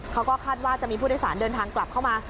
เขาก็คาดว่าจะมีผู้โดยสารเดินทางกลับเข้ามา